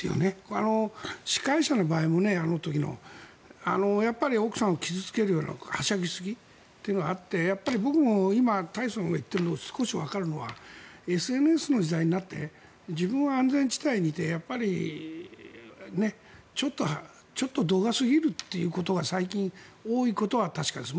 あの時の司会者の場合もやっぱり奥さんを傷付けるようなはしゃぎすぎというのがあって僕も今タイソンが言っているのが少しわかるのはＳＮＳの時代になって自分は安全地帯にいてやっぱり、ちょっと度が過ぎるということが最近、多いことは確かです。